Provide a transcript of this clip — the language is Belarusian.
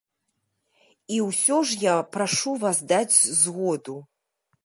І ўсё ж я прашу вас даць згоду.